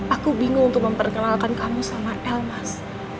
aku bingung untuk memperkenalkan kamu sama el mas